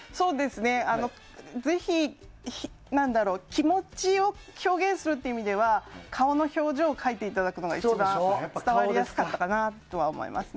ぜひ、気持ちを表現するという意味では顔の表情を描いていただくのが一番伝わりやすかったと思います。